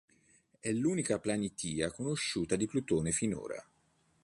È l'unica planitia conosciuta di Plutone finora.